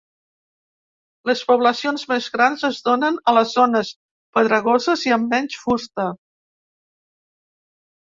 Les poblacions més grans es donen a les zones pedregoses i amb menys fusta.